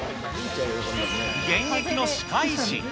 現役の歯科医師。